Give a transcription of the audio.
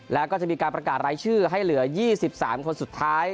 แล้วก็จะมีการประกาศรายชื่อให้เหลือ๒๓คนสุดท้าย